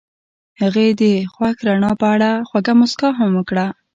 هغې د خوښ رڼا په اړه خوږه موسکا هم وکړه.